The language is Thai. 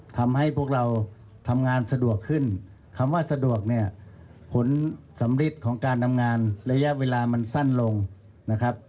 ทำให้พวกเราทำงานสะดวกขึ้นคำว่าสะดวกเนี่ยผลสำริดของการทำงานระยะเวลามันสั้นลงนะครับ